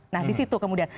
nah di situ kemudian